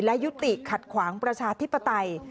และยุติขัดขวางประชาธิปไตย